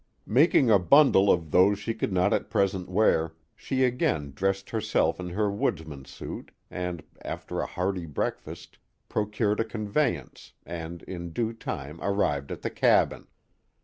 Making a bundle of those she could not at present wear, she again dressed herself in her woods man's suit, and, after a hearty breakfast, procured a convey ance, and in due time arrived at the cabin.